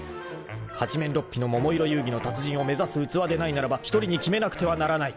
八面六臂の桃色遊戯の達人を目指す器でないならば一人に決めなくてはならない。